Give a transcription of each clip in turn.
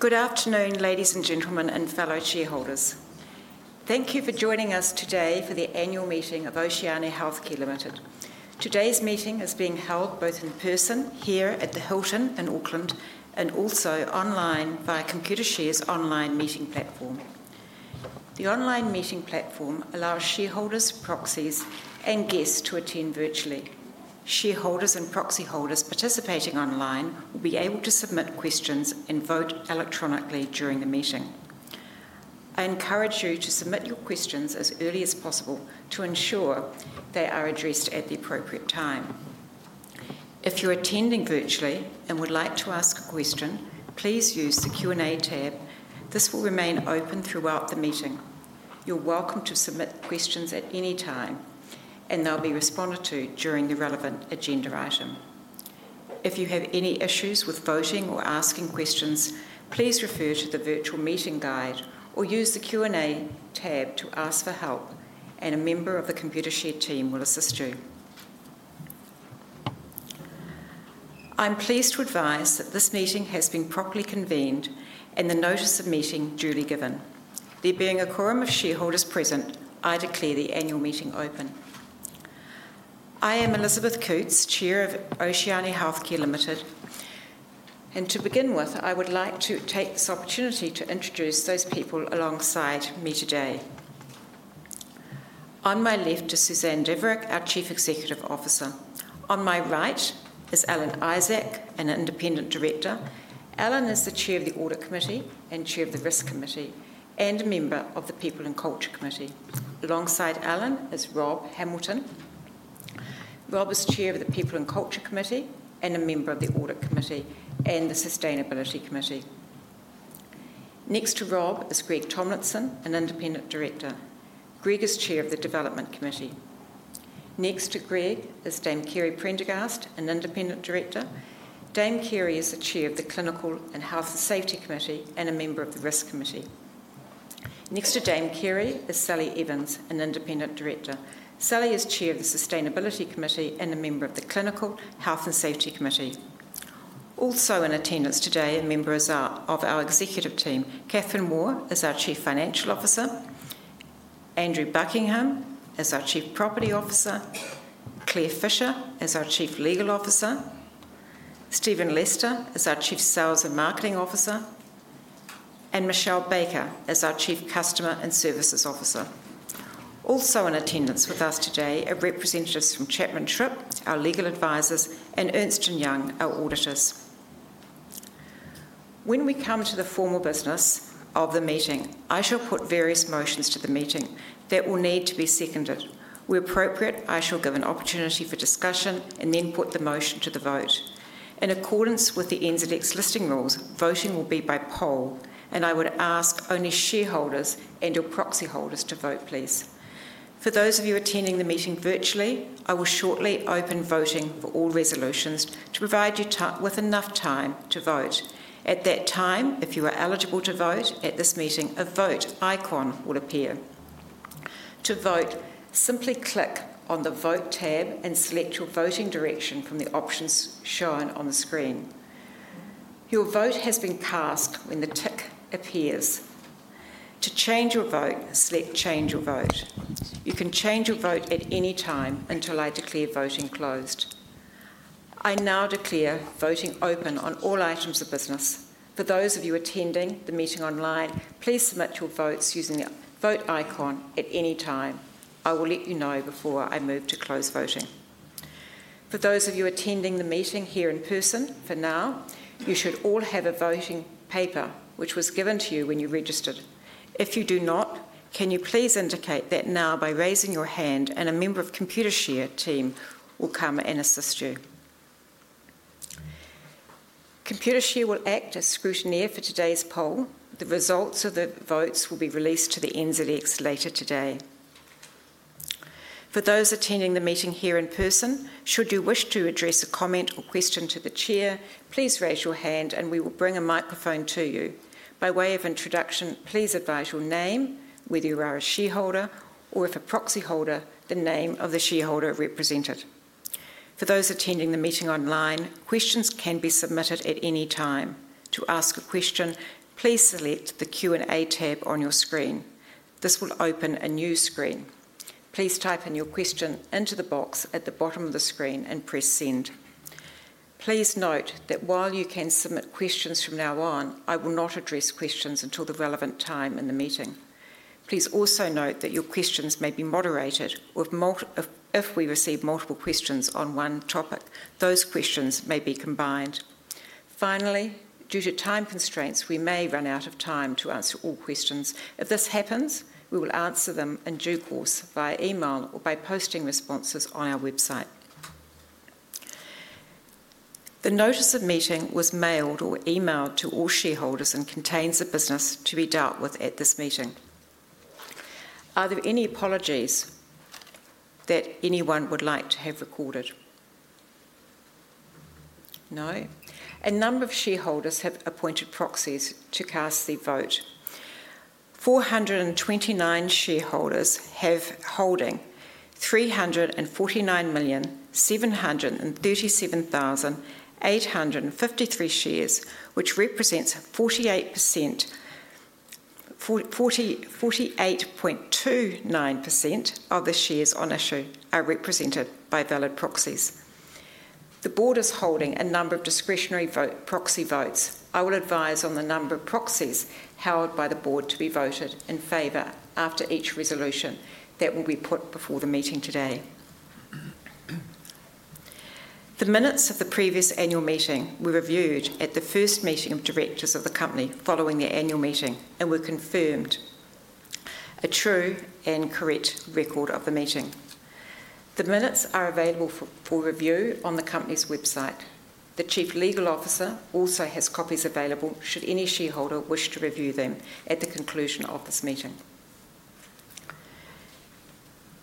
Good afternoon, ladies and gentlemen, and fellow shareholders. Thank you for joining us today for the annual meeting of Oceania Healthcare Limited. Today's meeting is being held both in person here at the Hilton in Auckland and also online via Computershare's online meeting platform. The online meeting platform allows shareholders, proxies, and guests to attend virtually. Shareholders and proxy holders participating online will be able to submit questions and vote electronically during the meeting. I encourage you to submit your questions as early as possible to ensure they are addressed at the appropriate time. If you're attending virtually and would like to ask a question, please use the Q&A tab. This will remain open throughout the meeting. You're welcome to submit questions at any time, and they'll be responded to during the relevant agenda item. If you have any issues with voting or asking questions, please refer to the virtual meeting guide or use the Q&A tab to ask for help, and a member of the Computershare team will assist you. I'm pleased to advise that this meeting has been properly convened and the notice of meeting duly given. There being a quorum of shareholders present, I declare the annual meeting open. I am Elizabeth Coutts, Chair of Oceania Healthcare Limited, and to begin with, I would like to take this opportunity to introduce those people alongside me today. On my left is Suzanne Dvorak, our Chief Executive Officer. On my right is Alan Isaac, an independent director. Alan is the Chair of the Audit Committee and Chair of the Risk Committee and a member of the People and Culture Committee. Alongside Alan is Rob Hamilton. Rob is Chair of the People and Culture Committee and a member of the Audit Committee and the Sustainability Committee. Next to Rob is Greg Tomlinson, an independent director. Greg is Chair of the Development Committee. Next to Greg is Dame Kerry Prendergast, an independent director. Dame Kerry is the Chair of the Clinical and Health and Safety Committee and a member of the Risk Committee. Next to Dame Kerry is Sally Evans, an independent director. Sally is Chair of the Sustainability Committee and a member of the Clinical Health and Safety Committee. Also in attendance today, a member of our executive team, Kathryn Waugh, is our Chief Financial Officer. Andrew Buckingham is our Chief Property Officer. Claire Fisher is our Chief Legal Officer. Stephen Lester is our Chief Sales and Marketing Officer. Michelle Baker is our Chief Customer and Services Officer. Also in attendance with us today are representatives from Chapman Tripp, our legal advisors, and Ernst & Young, our auditors. When we come to the formal business of the meeting, I shall put various motions to the meeting that will need to be seconded. Where appropriate, I shall give an opportunity for discussion and then put the motion to the vote. In accordance with the NZX listing rules, voting will be by poll, and I would ask only shareholders and/or proxy holders to vote, please. For those of you attending the meeting virtually, I will shortly open voting for all resolutions to provide you with enough time to vote. At that time, if you are eligible to vote at this meeting, a vote icon will appear. To vote, simply click on the Vote tab and select your voting direction from the options shown on the screen. Your vote has been cast when the tick appears. To change your vote, select Change Your Vote. You can change your vote at any time until I declare voting closed. I now declare voting open on all items of business. For those of you attending the meeting online, please submit your votes using the Vote icon at any time. I will let you know before I move to close voting. For those of you attending the meeting here in person, for now, you should all have a voting paper, which was given to you when you registered. If you do not, can you please indicate that now by raising your hand and a member of the Computershare team will come and assist you? Computershare will act as scrutineer for today's poll. The results of the votes will be released to the NZX later today. For those attending the meeting here in person, should you wish to address a comment or question to the Chair, please raise your hand and we will bring a microphone to you. By way of introduction, please advise your name, whether you are a shareholder or, if a proxy holder, the name of the shareholder represented. For those attending the meeting online, questions can be submitted at any time. To ask a question, please select the Q&A tab on your screen. This will open a new screen. Please type in your question into the box at the bottom of the screen and press Send. Please note that while you can submit questions from now on, I will not address questions until the relevant time in the meeting. Please also note that your questions may be moderated, or if we receive multiple questions on one topic, those questions may be combined. Finally, due to time constraints, we may run out of time to answer all questions. If this happens, we will answer them in due course via email or by posting responses on our website. The notice of meeting was mailed or emailed to all shareholders and contains the business to be dealt with at this meeting. Are there any apologies that anyone would like to have recorded? No? A number of shareholders have appointed proxies to cast the vote. 429 shareholders holding 349,737,853 shares, which represents 48.29% of the shares on issue, are represented by valid proxies. The Board is holding a number of discretionary proxy votes. I will advise on the number of proxies held by the Board to be voted in favor after each resolution that will be put before the meeting today. The minutes of the previous annual meeting were reviewed at the first meeting of directors of the company following the annual meeting and were confirmed. A true and correct record of the meeting. The minutes are available for review on the company's website. The Chief Legal Officer also has copies available should any shareholder wish to review them at the conclusion of this meeting.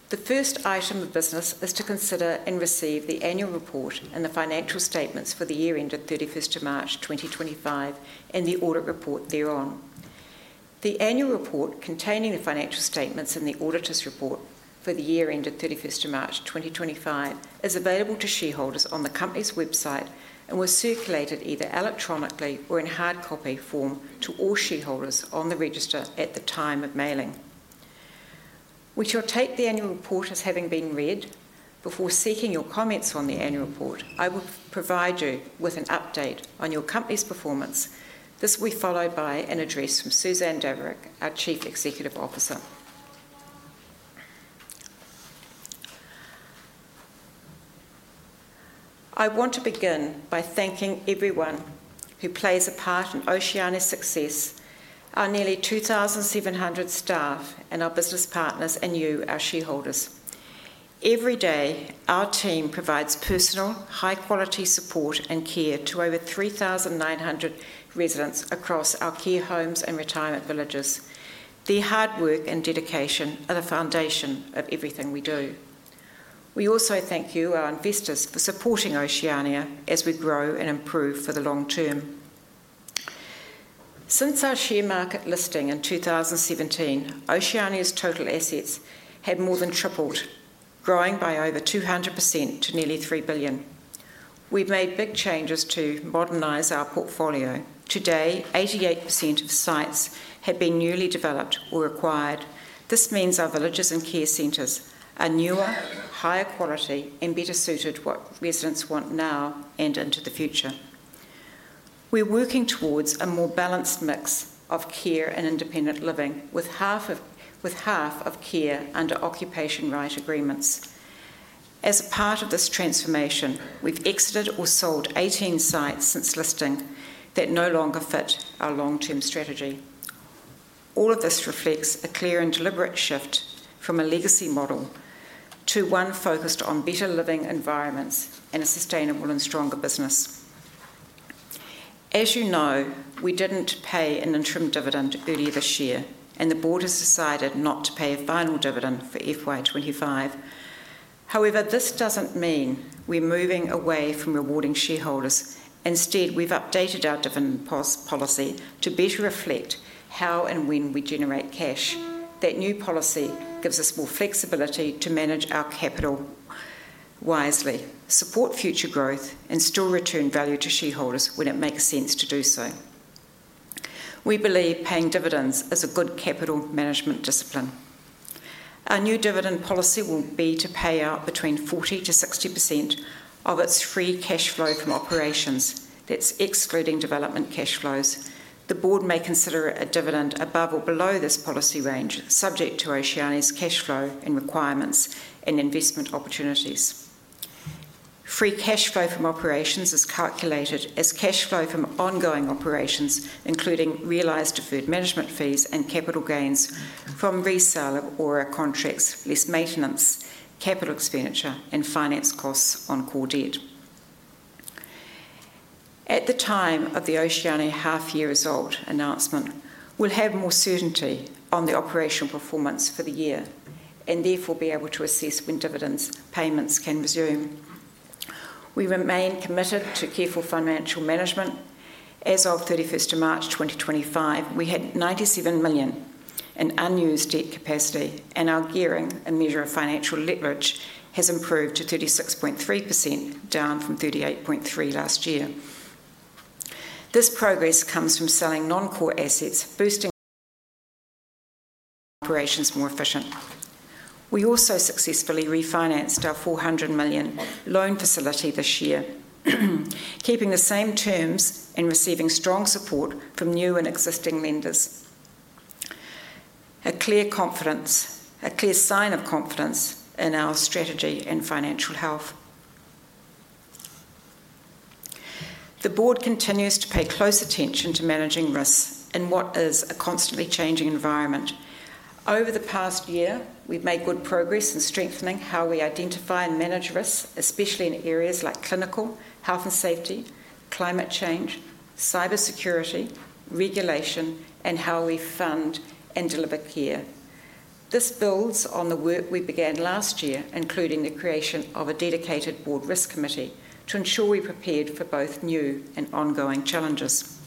The first item of business is to consider and receive the annual report and the financial statements for the year ended 31 March 2025 and the audit report thereon. The annual report containing the financial statements and the auditor's report for the year ended 31 March 2025 is available to shareholders on the company's website and was circulated either electronically or in hard copy form to all shareholders on the register at the time of mailing. We shall take the annual report as having been read. Before seeking your comments on the annual report, I will provide you with an update on your company's performance. This will be followed by an address from Suzanne Dvorak, our Chief Executive Officer. I want to begin by thanking everyone who plays a part in Oceania's success, our nearly 2,700 staff and our business partners, and you, our shareholders. Every day, our team provides personal, high-quality support and care to over 3,900 residents across our care homes and retirement villages. Their hard work and dedication are the foundation of everything we do. We also thank you, our investors, for supporting Oceania as we grow and improve for the long term. Since our share market listing in 2017, Oceania's total assets have more than tripled, growing by over 200% to nearly 3 billion. We've made big changes to modernize our portfolio. Today, 88% of sites have been newly developed or acquired. This means our villages and care centers are newer, higher quality, and better suited to what residents want now and into the future. We're working towards a more balanced mix of care and independent living, with half of care under occupation rights agreements. As a part of this transformation, we've exited or sold 18 sites since listing that no longer fit our long-term strategy. All of this reflects a clear and deliberate shift from a legacy model to one focused on better living environments and a sustainable and stronger business. As you know, we didn't pay an interim dividend earlier this year, and the Board has decided not to pay a final dividend for FY 2025. However, this doesn't mean we're moving away from rewarding shareholders. Instead, we've updated our dividend policy to better reflect how and when we generate cash. That new policy gives us more flexibility to manage our capital wisely, support future growth, and still return value to shareholders when it makes sense to do so. We believe paying dividends is a good capital management discipline. Our new dividend policy will be to pay out between 40%-60% of its free cash flow from operations. That's excluding development cash flows. The Board may consider a dividend above or below this policy range, subject to Oceania's cash flow and requirements and investment opportunities. Free cash flow from operations is calculated as cash flow from ongoing operations, including realized deferred management fees and capital gains from resale of ORA contracts, less maintenance capital expenditure and finance costs on core debt. At the time of the Oceania half-year result announcement, we'll have more certainty on the operational performance for the year and therefore be able to assess when dividend payments can resume. We remain committed to careful financial management. As of 31 March 2025, we had 97 million in unused debt capacity, and our gearing and measure of financial leverage has improved to 36.3%, down from 38.3% last year. This progress comes from selling non-core assets, boosting operations more efficiently. We also successfully refinanced our 400 million loan facility this year, keeping the same terms and receiving strong support from new and existing lenders. A clear sign of confidence in our strategy and financial health. The Board continues to pay close attention to managing risks in what is a constantly changing environment. Over the past year, we've made good progress in strengthening how we identify and manage risks, especially in areas like clinical health and safety, climate change, cybersecurity, regulation, and how we fund and deliver care. This builds on the work we began last year, including the creation of a dedicated Board Risk Committee to ensure we prepared for both new and ongoing challenges.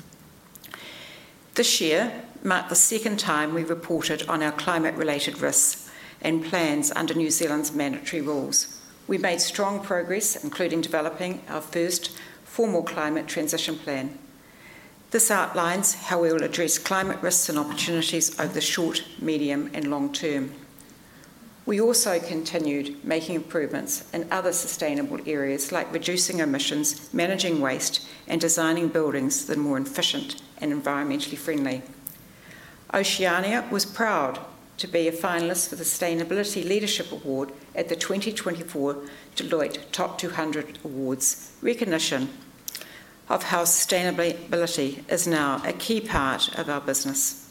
This year marked the second time we reported on our climate-related risks and plans under New Zealand's mandatory rules. We've made strong progress, including developing our first formal climate transition plan. This outlines how we will address climate risks and opportunities over the short, medium, and long term. We also continued making improvements in other sustainable areas like reducing emissions, managing waste, and designing buildings that are more efficient and environmentally friendly. Oceania was proud to be a finalist for the Sustainability Leadership Award at the 2024 Deloitte Top 200 Awards, recognition of how sustainability is now a key part of our business.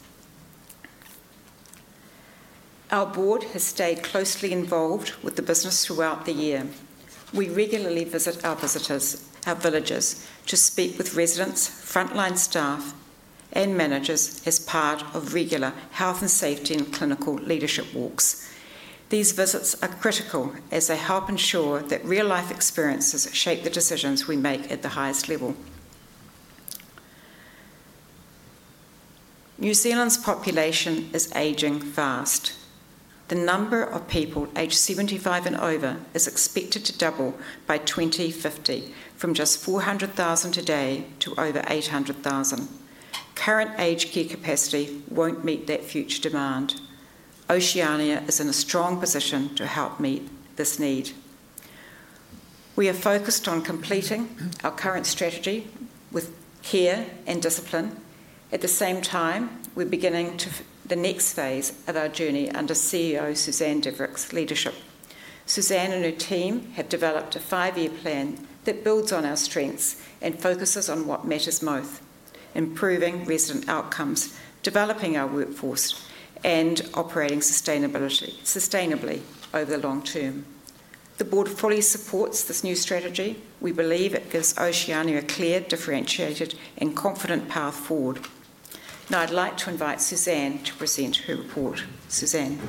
Our Board has stayed closely involved with the business throughout the year. We regularly visit our villages to speak with residents, frontline staff, and managers as part of regular health and safety and clinical leadership walks. These visits are critical as they help ensure that real-life experiences shape the decisions we make at the highest level. New Zealand's population is aging fast. The number of people aged 75 and over is expected to double by 2050, from just 400,000 today to over 800,000. Current aged care capacity won't meet that future demand. Oceania is in a strong position to help meet this need. We are focused on completing our current strategy with care and discipline. At the same time, we're beginning the next phase of our journey under CEO Suzanne Dvorak's leadership. Suzanne and her team have developed a five-year plan that builds on our strengths and focuses on what matters most: improving resident outcomes, developing our workforce, and operating sustainably over the long term. The Board fully supports this new strategy. We believe it gives Oceania a clear, differentiated, and confident path forward. Now, I'd like to invite Suzanne to present her report. Suzanne.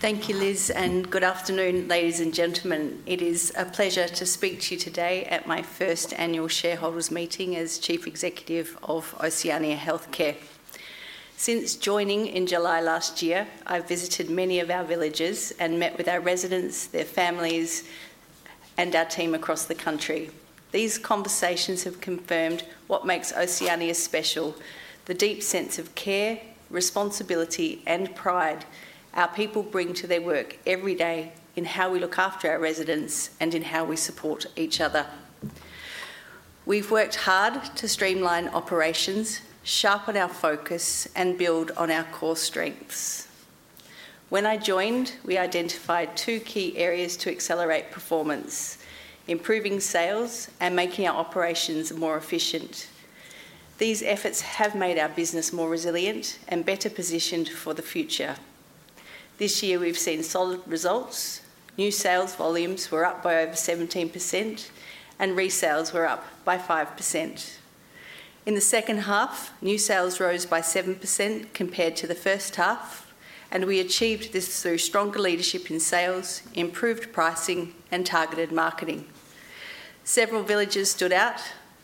Thank you, Liz, and good afternoon, ladies and gentlemen. It is a pleasure to speak to you today at my first annual shareholders meeting as Chief Executive of Oceania Healthcare. Since joining in July last year, I've visited many of our villages and met with our residents, their families, and our team across the country. These conversations have confirmed what makes Oceania special: the deep sense of care, responsibility, and pride our people bring to their work every day in how we look after our residents and in how we support each other. We've worked hard to streamline operations, sharpen our focus, and build on our core strengths. When I joined, we identified two key areas to accelerate performance: improving sales and making our operations more efficient. These efforts have made our business more resilient and better positioned for the future. This year, we've seen solid results. New sales volumes were up by over 17%, and resales were up by 5%. In the second half, new sales rose by 7% compared to the first half, and we achieved this through stronger leadership in sales, improved pricing, and targeted marketing. Several villages stood out.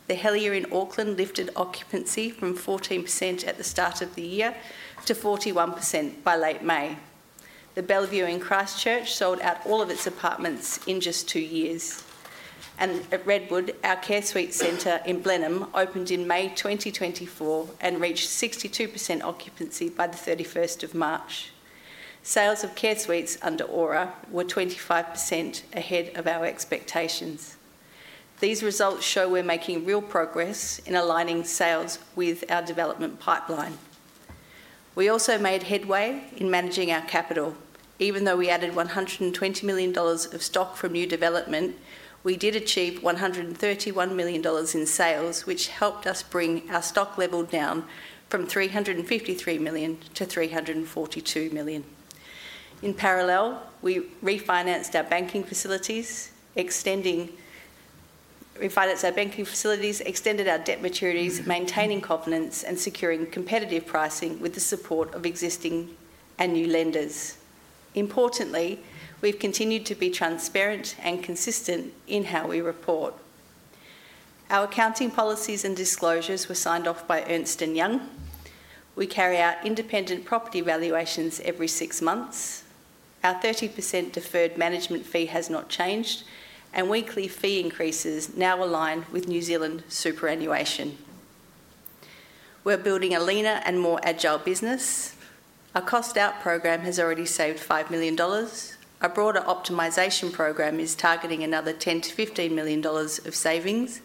The Helier in Auckland lifted occupancy from 14% at the start of the year to 41% by late May. The Bellevue in Christchurch sold out all of its apartments in just two years. At Redwood, our care suite centre in Blenheim opened in May 2024 and reached 62% occupancy by the 31st of March. Sales of care suites under ORA were 25% ahead of our expectations. These results show we're making real progress in aligning sales with our development pipeline. We also made headway in managing our capital. Even though we added 120 million dollars of stock from new development, we did achieve 131 million dollars in sales, which helped us bring our stock level down from 353 million to 342 million. In parallel, we refinanced our banking facilities, extended our debt maturities, maintaining confidence, and securing competitive pricing with the support of existing and new lenders. Importantly, we've continued to be transparent and consistent in how we report. Our accounting policies and disclosures were signed off by Ernst & Young. We carry out independent property valuations every six months. Our 30% deferred management fee has not changed, and weekly fee increases now align with New Zealand superannuation. We're building a leaner and more agile business. Our cost-out program has already saved 5 million dollars. Our broader optimization program is targeting another 10-15 million dollars of savings,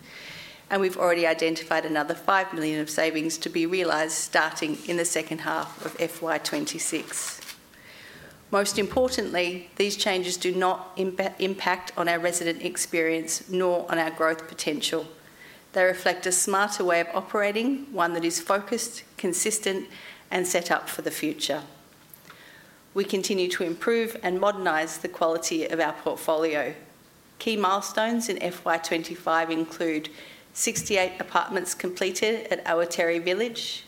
and we've already identified another 5 million of savings to be realized starting in the second half of FY 2026. Most importantly, these changes do not impact our resident experience nor on our growth potential. They reflect a smarter way of operating, one that is focused, consistent, and set up for the future. We continue to improve and modernize the quality of our portfolio. Key milestones in FY 2025 include 68 apartments completed at Owairaka Village,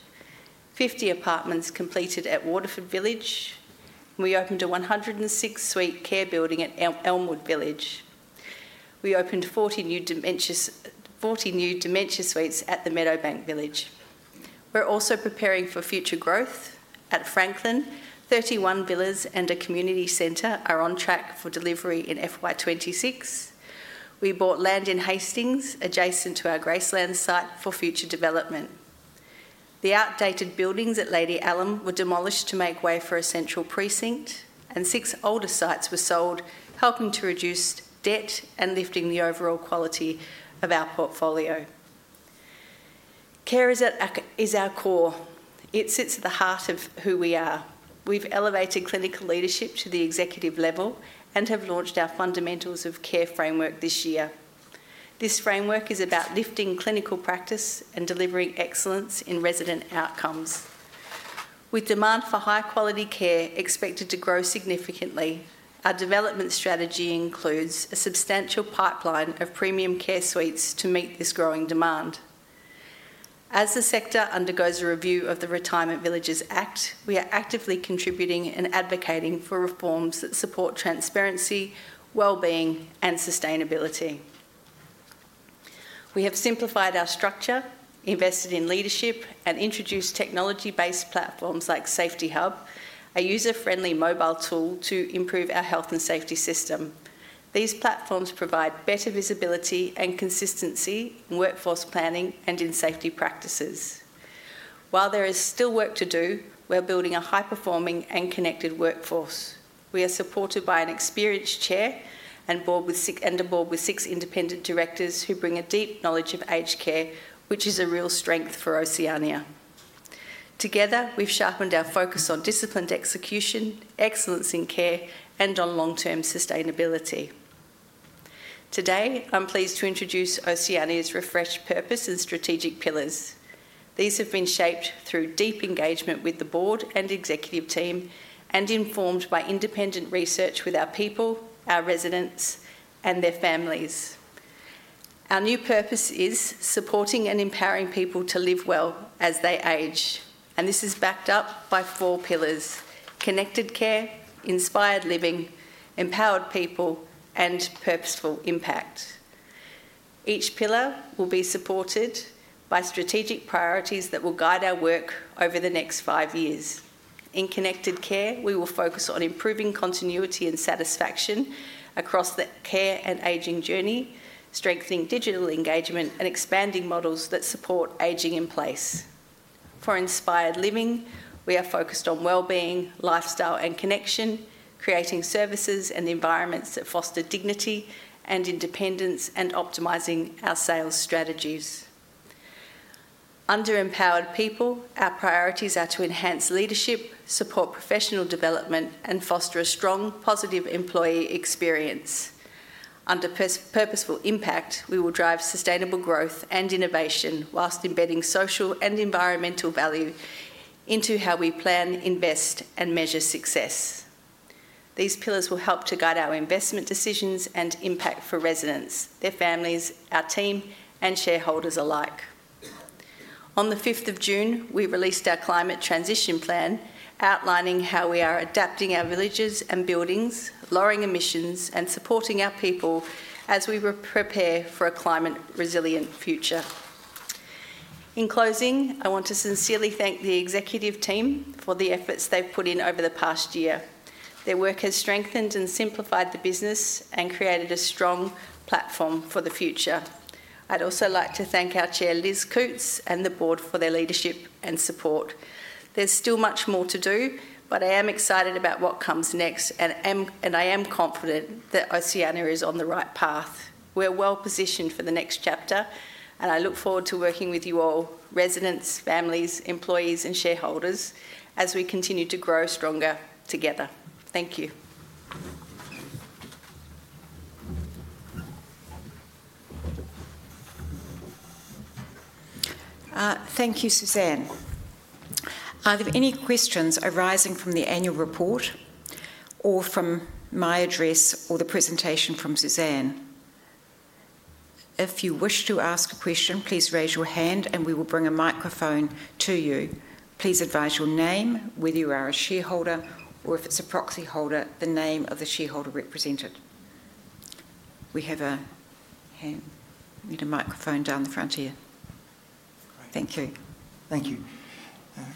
50 apartments completed at Waterford Village. We opened a 106-suite care building at Elmwood Village. We opened 40 new dementia suites at the Meadowbank Village. We're also preparing for future growth. At Franklin, 31 villas and a community centre are on track for delivery in FY 2026. We bought land in Hastings adjacent to our Graceland site for future development. The outdated buildings at Lady Allum were demolished to make way for a central precinct, and six older sites were sold, helping to reduce debt and lifting the overall quality of our portfolio. Care is our core. It sits at the heart of who we are. We've elevated clinical leadership to the executive level and have launched our Fundamentals of Care framework this year. This framework is about lifting clinical practice and delivering excellence in resident outcomes. With demand for high-quality care expected to grow significantly, our development strategy includes a substantial pipeline of premium care suites to meet this growing demand. As the sector undergoes a review of the Retirement Villages Act, we are actively contributing and advocating for reforms that support transparency, well-being, and sustainability. We have simplified our structure, invested in leadership, and introduced technology-based platforms like Safety Hub, a user-friendly mobile tool to improve our health and safety system. These platforms provide better visibility and consistency in workforce planning and in safety practices. While there is still work to do, we're building a high-performing and connected workforce. We are supported by an experienced Chair and board with six independent directors who bring a deep knowledge of aged care, which is a real strength for Oceania. Together, we've sharpened our focus on disciplined execution, excellence in care, and on long-term sustainability. Today, I'm pleased to introduce Oceania's refreshed purpose and strategic pillars. These have been shaped through deep engagement with the Board and executive team and informed by independent research with our people, our residents, and their families. Our new purpose is supporting and empowering people to live well as they age, and this is backed up by four pillars: connected care, inspired living, empowered people, and purposeful impact. Each pillar will be supported by strategic priorities that will guide our work over the next five years. In connected care, we will focus on improving continuity and satisfaction across the care and aging journey, strengthening digital engagement, and expanding models that support aging in place. For inspired living, we are focused on well-being, lifestyle, and connection, creating services and environments that foster dignity and independence, and optimising our sales strategies. Under empowered people, our priorities are to enhance leadership, support professional development, and foster a strong, positive employee experience. Under purposeful impact, we will drive sustainable growth and innovation whilst embedding social and environmental value into how we plan, invest, and measure success. These pillars will help to guide our investment decisions and impact for residents, their families, our team, and shareholders alike. On the 5th of June, we released our climate transition plan, outlining how we are adapting our villages and buildings, lowering emissions, and supporting our people as we prepare for a climate-resilient future. In closing, I want to sincerely thank the executive team for the efforts they've put in over the past year. Their work has strengthened and simplified the business and created a strong platform for the future. I'd also like to thank our Chair, Elizabeth Coutts, and the Board for their leadership and support. There's still much more to do, but I am excited about what comes next, and I am confident that Oceania is on the right path. We're well positioned for the next chapter, and I look forward to working with you all, residents, families, employees, and shareholders, as we continue to grow stronger together. Thank you. Thank you, Suzanne. Are there any questions arising from the annual report or from my address or the presentation from Suzanne? If you wish to ask a question, please raise your hand, and we will bring a microphone to you. Please advise your name, whether you are a shareholder or if it's a proxy holder, the name of the shareholder represented. We have a hand. We need a microphone down the front here. Thank you. Thank you.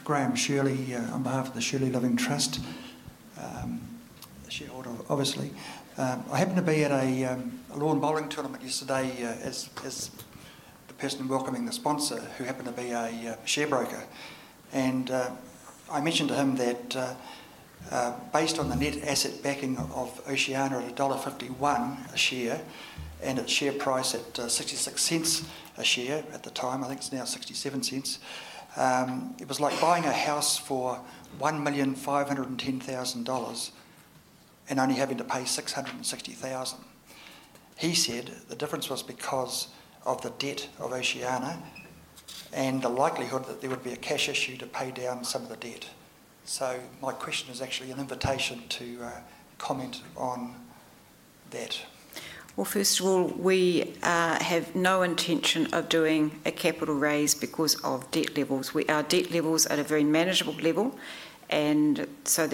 Graham Shirley, on behalf of the Shirley Loving Trust, the shareholder, obviously. I happened to be at a lawn bowling tournament yesterday as the person welcoming the sponsor who happened to be a share broker. I mentioned to him that based on the net asset backing of Oceania at dollar 1.51 a share and its share price at 0.66 a share at the time, I think it's now 0.67, it was like buying a house for 1,510,000 dollars and only having to pay 660,000. He said the difference was because of the debt of Oceania and the likelihood that there would be a cash issue to pay down some of the debt. My question is actually an invitation to comment on that. First of all, we have no intention of doing a capital raise because of debt levels. Our debt levels are at a very manageable level, and so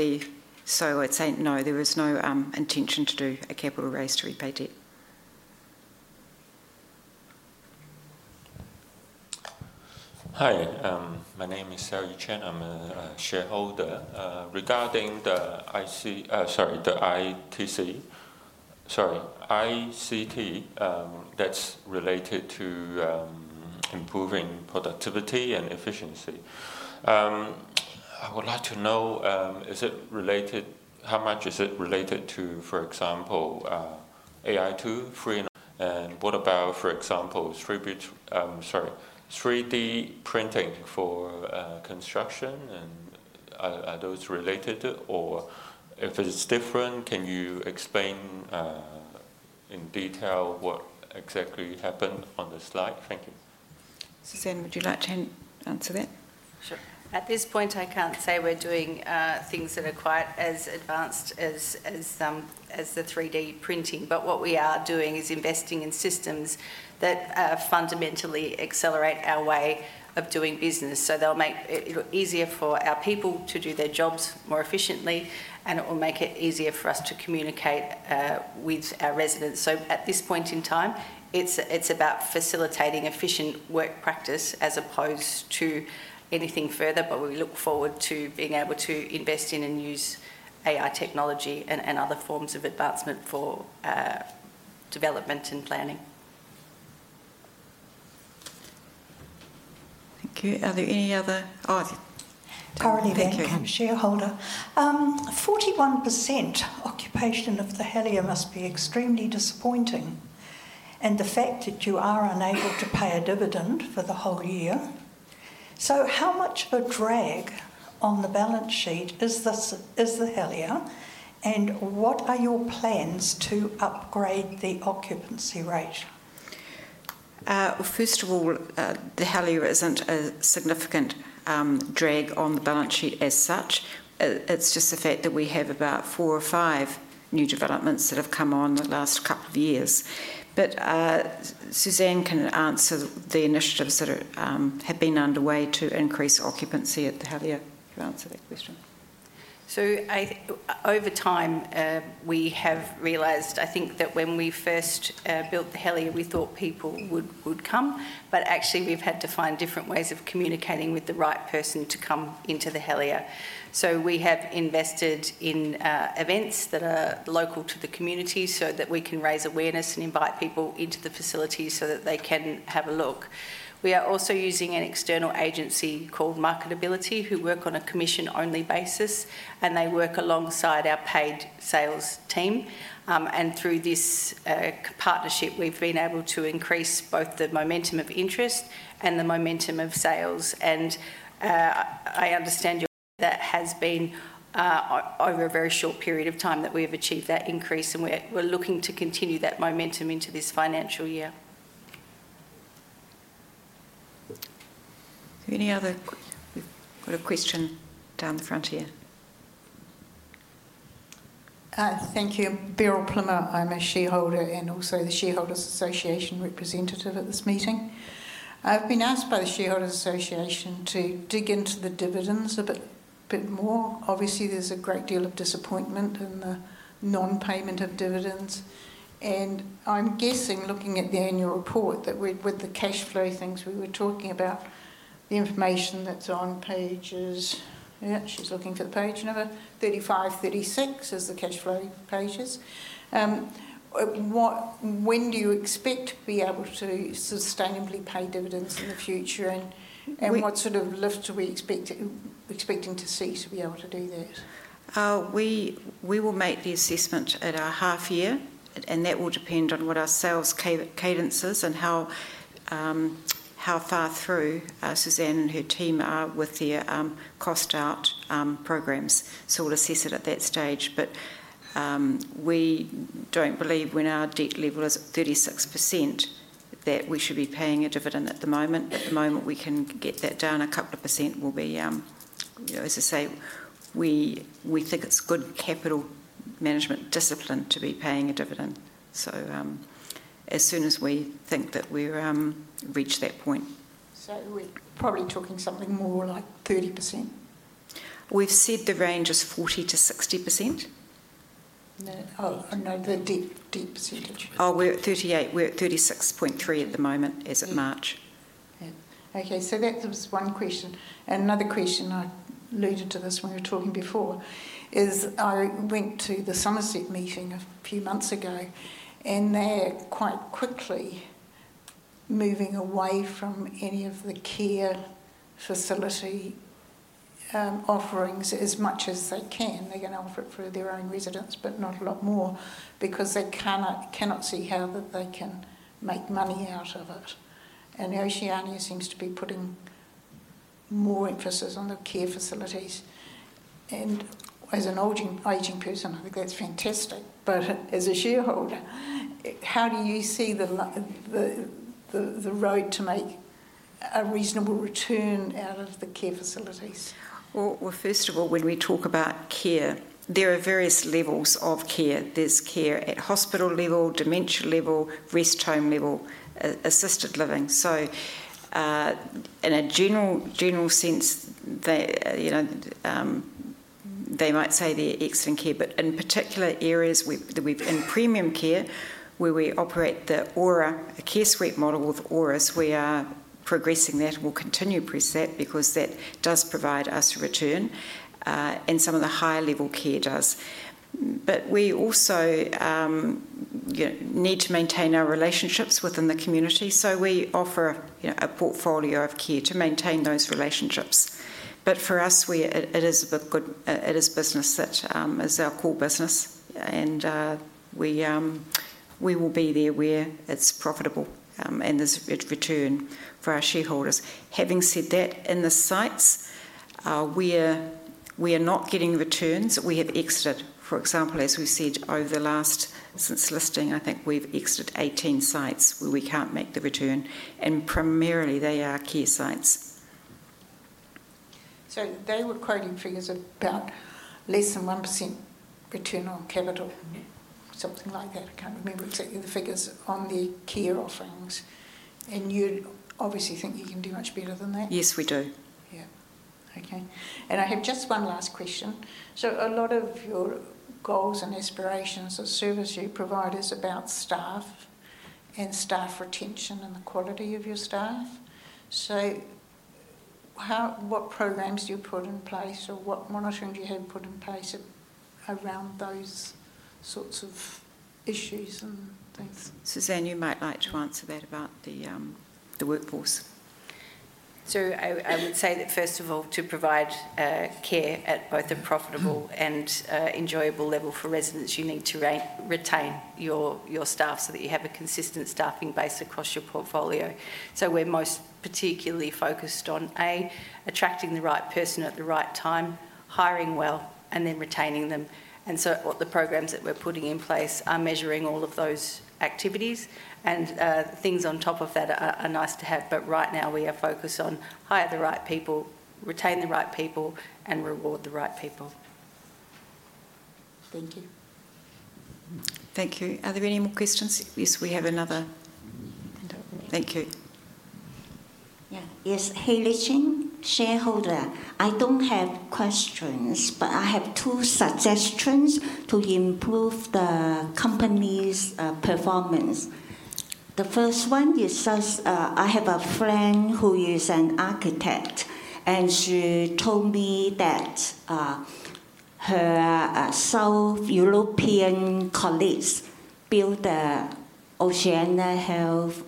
I'd say no, there was no intention to do a capital raise to repay debt. Hi. My name is Harry Chen. I'm a shareholder. Regarding the ICT, that's related to improving productivity and efficiency. I would like to know, is it related, how much is it related to, for example, AI? And what about, for example, 3D printing for construction? Are those related? If it's different, can you explain in detail what exactly happened on the slide? Thank you. Suzanne, would you like to answer that? Sure. At this point, I can't say we're doing things that are quite as advanced as the 3D printing. What we are doing is investing in systems that fundamentally accelerate our way of doing business. They'll make it easier for our people to do their jobs more efficiently, and it will make it easier for us to communicate with our residents. At this point in time, it's about facilitating efficient work practice as opposed to anything further. We look forward to being able to invest in and use AI technology and other forms of advancement for development and planning. Thank you. Are there any other? Currently, I'm a shareholder. 41% occupation of the Helier must be extremely disappointing. The fact that you are unable to pay a dividend for the whole year. How much of a drag on the balance sheet is the Helier? What are your plans to upgrade the occupancy rate? First of all, the Helier isn't a significant drag on the balance sheet as such. It's just the fact that we have about four or five new developments that have come on the last couple of years. Suzanne can answer the initiatives that have been underway to increase occupancy at the Helier. You answered that question. Over time, we have realized, I think, that when we first built the Helier, we thought people would come. Actually, we've had to find different ways of communicating with the right person to come into the Helier. We have invested in events that are local to the community so that we can raise awareness and invite people into the facility so that they can have a look. We are also using an external agency called Marketability, who work on a commission-only basis, and they work alongside our paid sales team. Through this partnership, we've been able to increase both the momentum of interest and the momentum of sales. I understand that has been over a very short period of time that we have achieved that increase, and we're looking to continue that momentum into this financial year. Any other? We've got a question down the front here. Thank you. Beryl Plummer. I'm a shareholder and also the Shareholders Association representative at this meeting. I've been asked by the Shareholders Association to dig into the dividends a bit more. Obviously, there's a great deal of disappointment in the non-payment of dividends. I'm guessing, looking at the annual report, that with the cash flow things we were talking about, the information that's on page—she's looking for the page—35, 36 is the cash flow pages. When do you expect to be able to sustainably pay dividends in the future? And what sort of lift are we expecting to see to be able to do that? We will make the assessment at our half year, and that will depend on what our sales cadence is and how far through Suzanne and her team are with their cost-out programs. We will assess it at that stage. We do not believe when our debt level is at 36% that we should be paying a dividend at the moment. At the moment, if we can get that down a couple of percent. As I say, we think it is good capital management discipline to be paying a dividend. As soon as we think that we reach that point. We are probably talking something more like 30%? We have said the range is 40-60%. No, the debt percentage. Oh, we're at 38. We're at 36.3 at the moment as of March. Okay. That was one question. Another question I alluded to this when we were talking before is I went to the Summerset meeting a few months ago, and they're quite quickly moving away from any of the care facility offerings as much as they can. They're going to offer it for their own residents, but not a lot more because they cannot see how they can make money out of it. Oceania seems to be putting more emphasis on the care facilities. As an aging person, I think that's fantastic. As a shareholder, how do you see the road to make a reasonable return out of the care facilities? First of all, when we talk about care, there are various levels of care. There's care at hospital level, dementia level, rest home level, assisted living. In a general sense, they might say they're excellent care. In particular areas, in premium care, where we operate the ORA, a care suite model with ORAs, we are progressing that and will continue to progress that because that does provide us a return, and some of the higher level care does. We also need to maintain our relationships within the community. We offer a portfolio of care to maintain those relationships. For us, it is business. It is our core business. We will be there where it's profitable and there's a good return for our shareholders. Having said that, in the sites, we are not getting returns. We have exited, for example, as we said, over the last since listing, I think we've exited 18 sites where we can't make the return. Primarily, they are care sites. They were quoting figures about less than 1% return on capital, something like that. I can't remember exactly the figures on the care offerings. You obviously think you can do much better than that? Yes, we do. Yeah. Okay. I have just one last question. A lot of your goals and aspirations are service you provide is about staff and staff retention and the quality of your staff. What programs do you put in place or what monitoring do you have put in place around those sorts of issues and things? Suzanne, you might like to answer that about the workforce. I would say that, first of all, to provide care at both a profitable and enjoyable level for residents, you need to retain your staff so that you have a consistent staffing base across your portfolio. We are most particularly focused on, A, attracting the right person at the right time, hiring well, and then retaining them. The programs that we are putting in place are measuring all of those activities. Things on top of that are nice to have. Right now, we are focused on hire the right people, retain the right people, and reward the right people. Thank you. Thank you. Are there any more questions? Yes, we have another. Thank you. Yeah. Yes. Haley Cheng, shareholder. I do not have questions, but I have two suggestions to improve the company's performance. The first one is I have a friend who is an architect, and she told me that her South European colleagues built Oceania Healthcare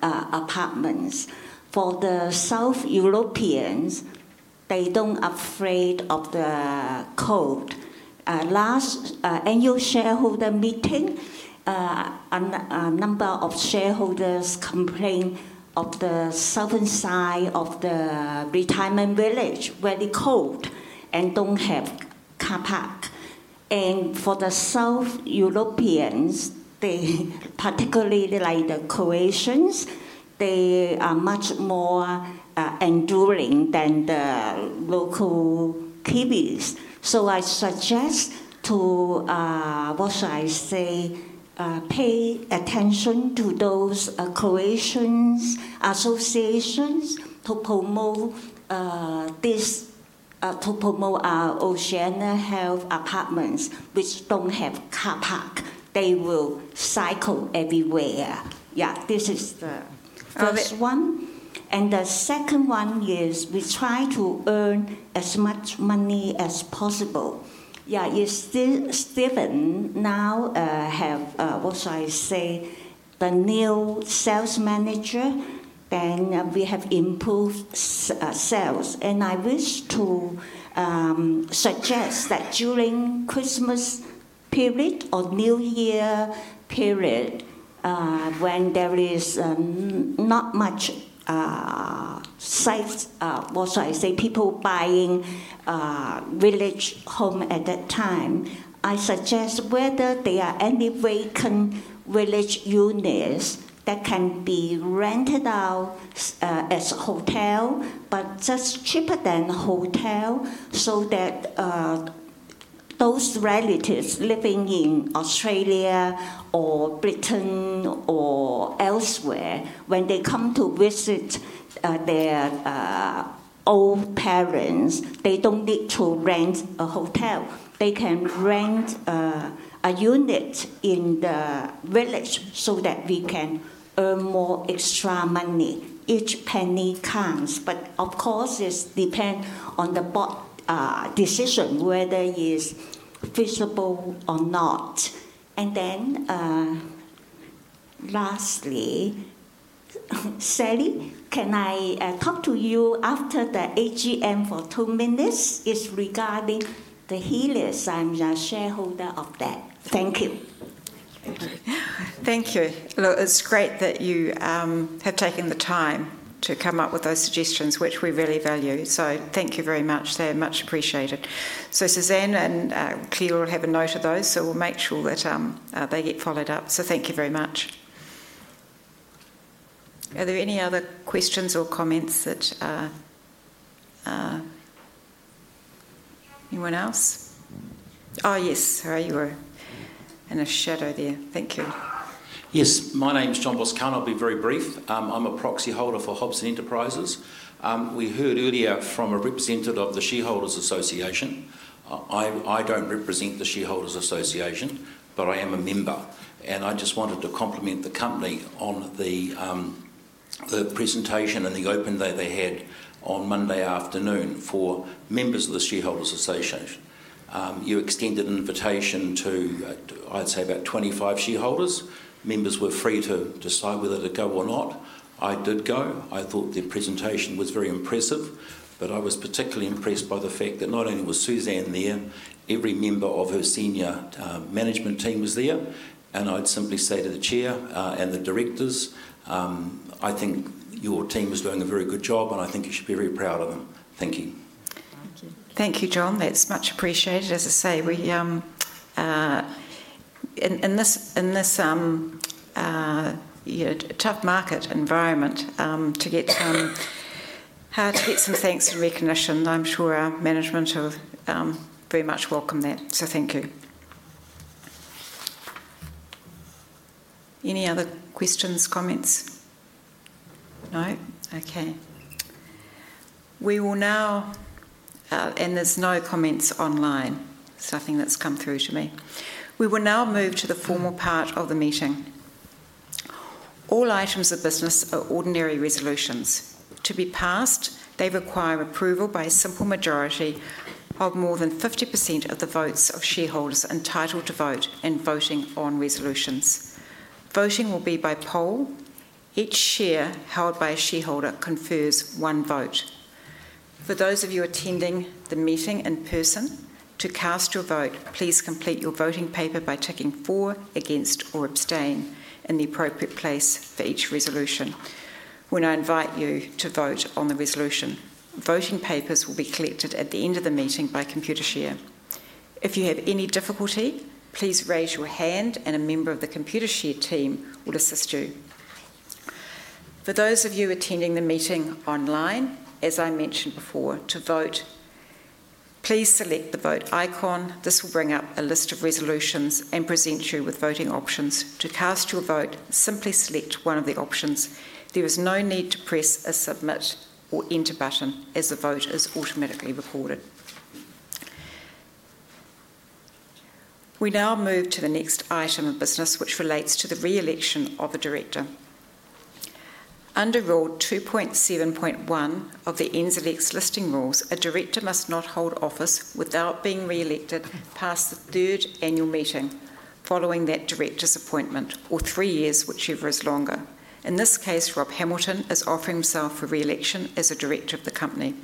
apartments. For the South Europeans, they do not afraid of the cold. Last annual shareholder meeting, a number of shareholders complained of the southern side of the retirement village where they are cold and do not have car park. For the South Europeans, particularly like the Croatians, they are much more enduring than the local Kiwis. I suggest to, what should I say, pay attention to those Croatian associations to promote our Oceania Healthcare apartments, which do not have car park. They will cycle everywhere. Yeah. This is the first one. The second one is we try to earn as much money as possible. Yeah. Stephen now have, what should I say, the new sales manager, and we have improved sales. I wish to suggest that during Christmas period or New Year period, when there is not much sites, what should I say, people buying village home at that time, I suggest whether there are any vacant village units that can be rented out as a hotel, but just cheaper than a hotel, so that those relatives living in Australia or Britain or elsewhere, when they come to visit their old parents, they do not need to rent a hotel. They can rent a unit in the village so that we can earn more extra money. Each penny counts. Of course, it depends on the board decision whether it is feasible or not. Lastly, Sally, can I talk to you after the AGM for two minutes? It is regarding the Helios. I am a shareholder of that. Thank you. Thank you. Thank you. Look, it's great that you have taken the time to come up with those suggestions, which we really value. Thank you very much. They're much appreciated. Suzanne and Claire will have a note of those. We'll make sure that they get followed up. Thank you very much. Are there any other questions or comments that anyone else? Oh, yes. Sorry, you were in a shadow there. Thank you. Yes. My name is John Boscawen. I'll be very brief. I'm a proxy holder for Hobson Enterprises. We heard earlier from a representative of the Shareholders Association. I don't represent the Shareholders Association, but I am a member. I just wanted to compliment the company on the presentation and the open day they had on Monday afternoon for members of the Shareholders Association. You extended an invitation to, I'd say, about 25 shareholders. Members were free to decide whether to go or not. I did go. I thought the presentation was very impressive. I was particularly impressed by the fact that not only was Suzanne there, every member of her senior management team was there. I would simply say to the chair and the directors, I think your team is doing a very good job, and I think you should be very proud of them. Thank you. Thank you, John. That is much appreciated. As I say, in this tough market environment, to get some thanks and recognition, I am sure our management will very much welcome that. Thank you. Any other questions, comments? No? Okay. We will now, and there are no comments online. Nothing has come through to me. We will now move to the formal part of the meeting. All items of business are ordinary resolutions. To be passed, they require approval by a simple majority of more than 50% of the votes of shareholders entitled to vote in voting on resolutions. Voting will be by poll. Each share held by a shareholder confers one vote. For those of you attending the meeting in person, to cast your vote, please complete your voting paper by ticking for, against, or abstain in the appropriate place for each resolution. When I invite you to vote on the resolution, voting papers will be collected at the end of the meeting by Computershare. If you have any difficulty, please raise your hand, and a member of the Computershare team will assist you. For those of you attending the meeting online, as I mentioned before, to vote, please select the vote icon. This will bring up a list of resolutions and present you with voting options. To cast your vote, simply select one of the options. There is no need to press a submit or enter button as the vote is automatically recorded. We now move to the next item of business, which relates to the re-election of a director. Under Rule 2.7.1 of the NZX listing rules, a director must not hold office without being re-elected past the third annual meeting following that director's appointment or three years, whichever is longer. In this case, Rob Hamilton is offering himself for re-election as a director of the company.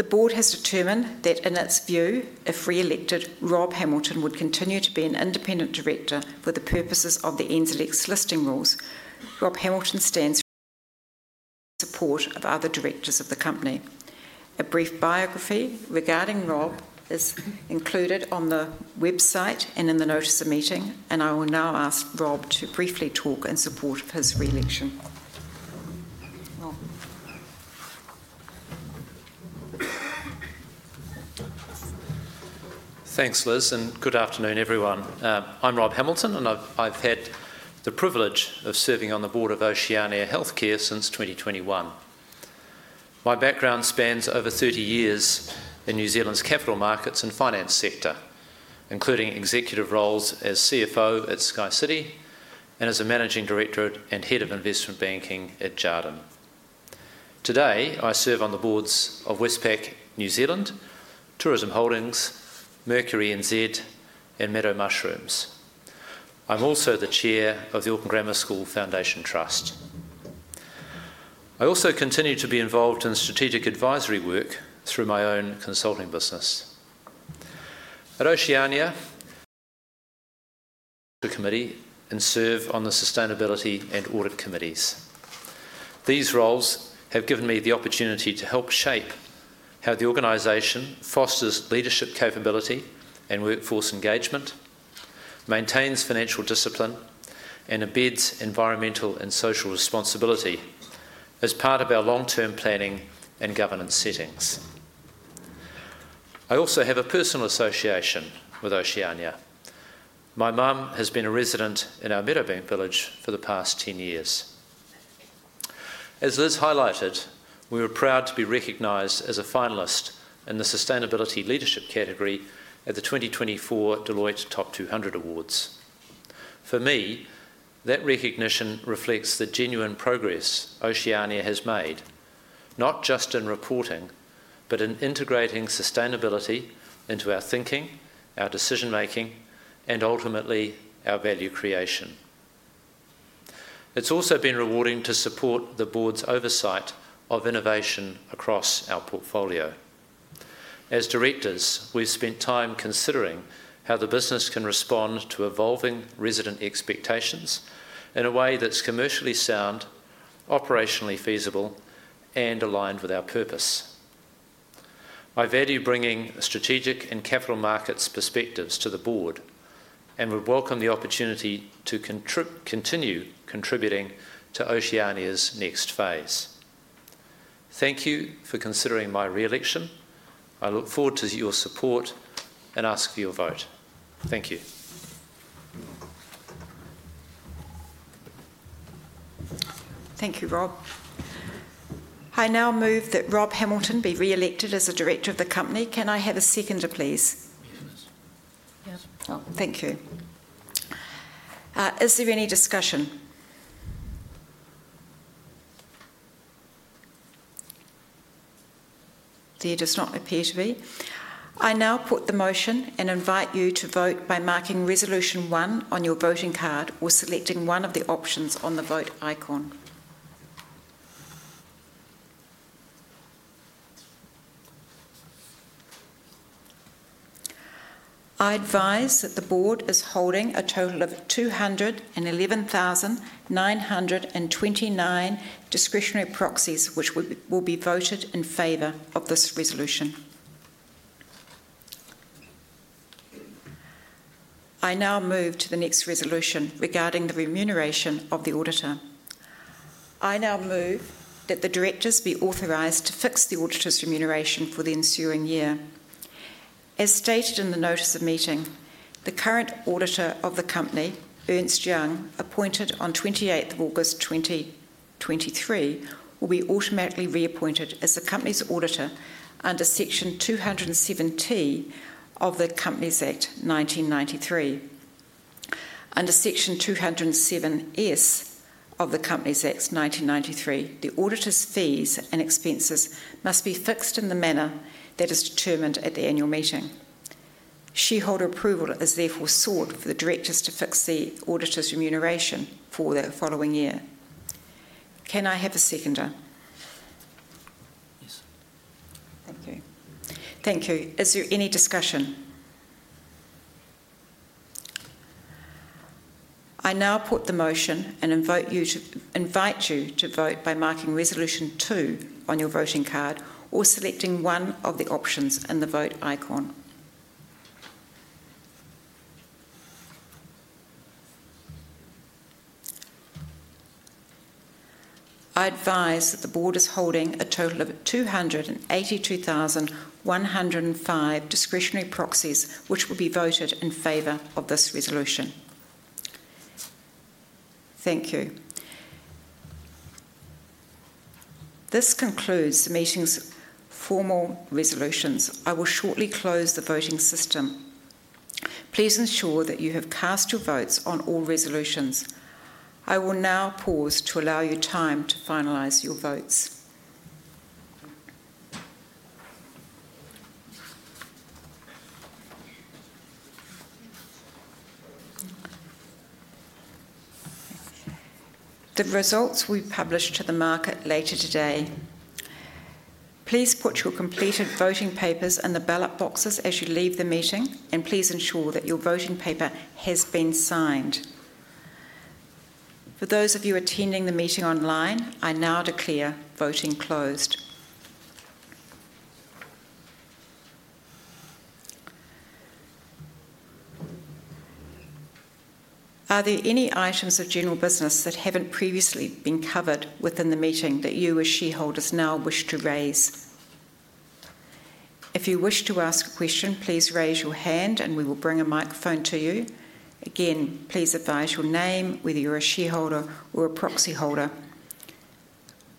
The board has determined that in its view, if re-elected, Rob Hamilton would continue to be an independent director for the purposes of the NZX listing rules. Rob Hamilton stands for support of other directors of the company. A brief biography regarding Rob is included on the website and in the notice of meeting. I will now ask Rob to briefly talk in support of his re-election. Thanks, Liz. Good afternoon, everyone. I'm Rob Hamilton, and I've had the privilege of serving on the board of Oceania Healthcare since 2021. My background spans over 30 years in New Zealand's capital markets and finance sector, including executive roles as CFO at SkyCity and as a managing director and head of investment banking at Jarden. Today, I serve on the boards of Westpac New Zealand, Tourism Holdings, Mercury NZ, and Meadow Mushrooms. I'm also the chair of the Auckland Grammar School Foundation Trust. I also continue to be involved in strategic advisory work through my own consulting business. At Oceania, I serve on the sustainability and audit committees. These roles have given me the opportunity to help shape how the organization fosters leadership capability and workforce engagement, maintains financial discipline, and embeds environmental and social responsibility as part of our long-term planning and governance settings. I also have a personal association with Oceania. My mom has been a resident in our Meadowbank Village for the past 10 years. As Liz highlighted, we were proud to be recognized as a finalist in the sustainability leadership category at the 2024 Deloitte Top 200 Awards. For me, that recognition reflects the genuine progress Oceania has made, not just in reporting, but in integrating sustainability into our thinking, our decision-making, and ultimately our value creation. It's also been rewarding to support the board's oversight of innovation across our portfolio. As directors, we've spent time considering how the business can respond to evolving resident expectations in a way that's commercially sound, operationally feasible, and aligned with our purpose. I value bringing strategic and capital markets perspectives to the board and would welcome the opportunity to continue contributing to Oceania's next phase. Thank you for considering my re-election. I look forward to your support and ask for your vote. Thank you. Thank you, Rob. I now move that Rob Hamilton be re-elected as a director of the company. Can I have a seconder, please? Yes. Thank you. Is there any discussion? There does not appear to be. I now put the motion and invite you to vote by marking Resolution 1 on your voting card or selecting one of the options on the vote icon. I advise that the board is holding a total of 211,929 discretionary proxies which will be voted in favor of this resolution. I now move to the next resolution regarding the remuneration of the auditor. I now move that the directors be authorized to fix the auditor's remuneration for the ensuing year. As stated in the notice of meeting, the current auditor of the company, Ernst & Young, appointed on 28 August 2023, will be automatically reappointed as the company's auditor under Section 207(t) of the Companies Act 1993. Under Section 207(s) of the Companies Act 1993, the auditor's fees and expenses must be fixed in the manner that is determined at the annual meeting. Shareholder approval is therefore sought for the directors to fix the auditor's remuneration for the following year. Can I have a seconder? Yes. Thank you. Thank you. Is there any discussion? I now put the motion and invite you to vote by marking Resolution 2 on your voting card or selecting one of the options in the vote icon. I advise that the board is holding a total of 282,105 discretionary proxies which will be voted in favor of this resolution. Thank you. This concludes the meeting's formal resolutions. I will shortly close the voting system. Please ensure that you have cast your votes on all resolutions. I will now pause to allow you time to finalize your votes. The results will be published to the market later today. Please put your completed voting papers in the ballot boxes as you leave the meeting, and please ensure that your voting paper has been signed. For those of you attending the meeting online, I now declare voting closed. Are there any items of general business that have not previously been covered within the meeting that you as shareholders now wish to raise? If you wish to ask a question, please raise your hand, and we will bring a microphone to you. Again, please advise your name, whether you are a shareholder or a proxy holder,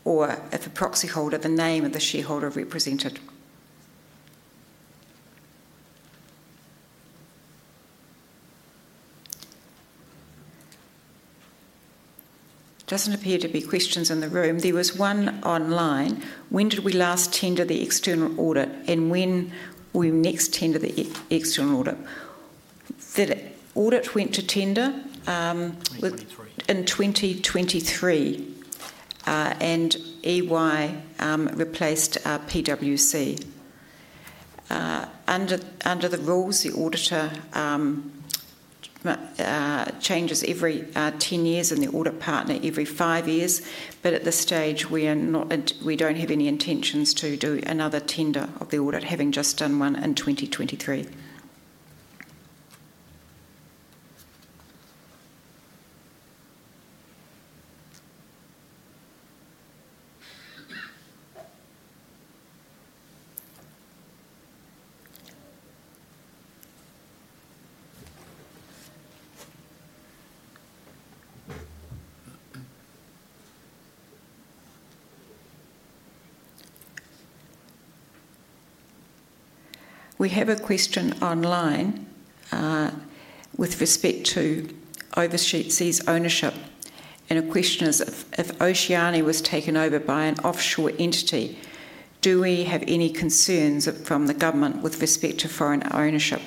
or if a proxy holder, the name of the shareholder represented. Does not appear to be questions in the room. There was one online. When did we last tender the external audit, and when will we next tender the external audit? The audit went to tender in 2023, and EY replaced PwC. Under the rules, the auditor changes every 10 years and the audit partner every five years. At this stage, we do not have any intentions to do another tender of the audit, having just done one in 2023. We have a question online with respect to overseas ownership. A question is, if Oceania was taken over by an offshore entity, do we have any concerns from the government with respect to foreign ownership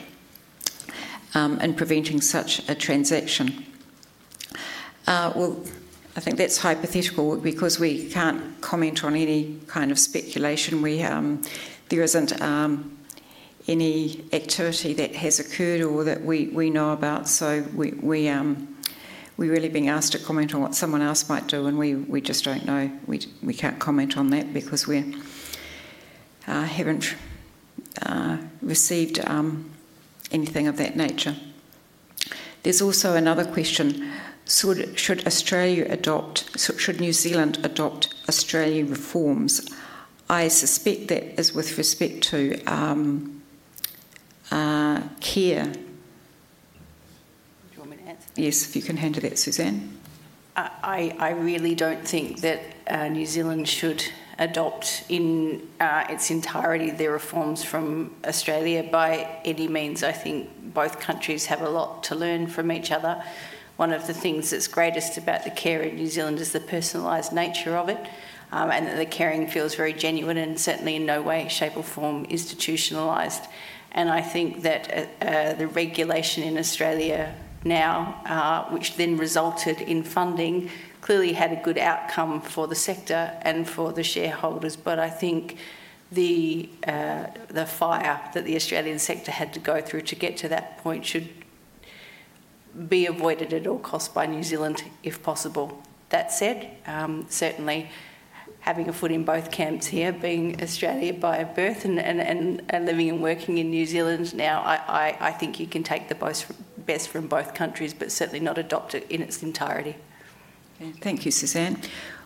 and preventing such a transaction? I think that's hypothetical because we can't comment on any kind of speculation. There isn't any activity that has occurred or that we know about. We're really being asked to comment on what someone else might do, and we just don't know. We can't comment on that because we haven't received anything of that nature. There's also another question. Should New Zealand adopt Australian reforms? I suspect that is with respect to care. Do you want me to answer? Yes, if you can handle that, Suzanne. I really don't think that New Zealand should adopt in its entirety their reforms from Australia by any means. I think both countries have a lot to learn from each other. One of the things that's greatest about the care in New Zealand is the personalised nature of it and that the caring feels very genuine and certainly in no way, shape, or form institutionalised. I think that the regulation in Australia now, which then resulted in funding, clearly had a good outcome for the sector and for the shareholders. I think the fire that the Australian sector had to go through to get to that point should be avoided at all costs by New Zealand, if possible. That said, certainly having a foot in both camps here, being Australian by birth and living and working in New Zealand now, I think you can take the best from both countries, but certainly not adopt it in its entirety. Thank you, Suzanne.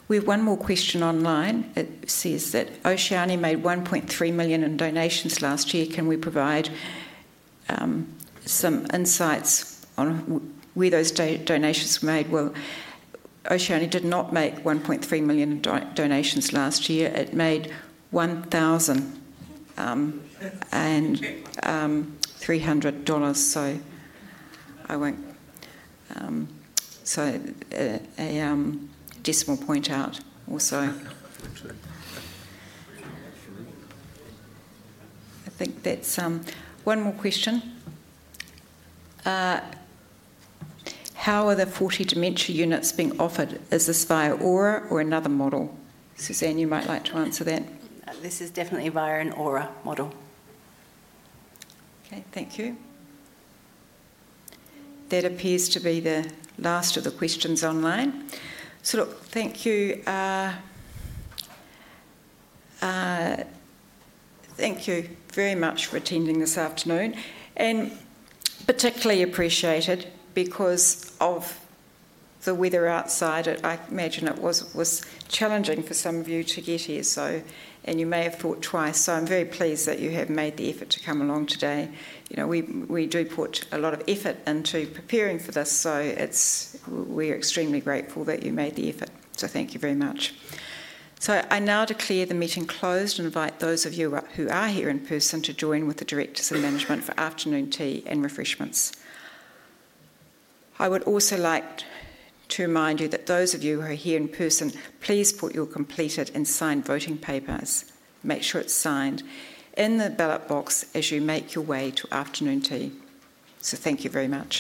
We have one more question online. It says that Oceania made $1.3 million in donations last year. Can we provide some insights on where those donations were made? Oceania did not make $1.3 million in donations last year. It made $1,300. I will not decimal point out also. I think that is one more question. How are the 40 dementia units being offered? Is this via ORA or another model? Suzanne, you might like to answer that. This is definitely via an ORA model. Okay, thank you. That appears to be the last of the questions online. Thank you. Thank you very much for attending this afternoon. Particularly appreciated because of the weather outside. I imagine it was challenging for some of you to get here, and you may have thought twice. I am very pleased that you have made the effort to come along today. We do put a lot of effort into preparing for this, so we are extremely grateful that you made the effort. Thank you very much. I now declare the meeting closed and invite those of you who are here in person to join with the directors and management for afternoon tea and refreshments. I would also like to remind you that those of you who are here in person, please put your completed and signed voting papers—make sure it is signed—in the ballot box as you make your way to afternoon tea. Thank you very much.